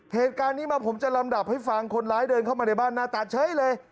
เหตุการณ์นี้มาผมจะลำดับให้ฟังคนร้ายเดินเข้ามาในบ้านหน้าตาเฉยเลย